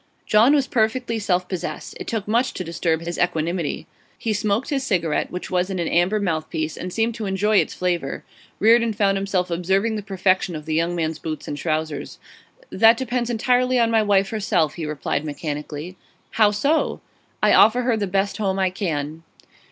John was perfectly self possessed; it took much to disturb his equanimity. He smoked his cigarette, which was in an amber mouthpiece, and seemed to enjoy its flavour. Reardon found himself observing the perfection of the young man's boots and trousers. 'That depends entirely on my wife herself;' he replied mechanically. 'How so?' 'I offer her the best home I can.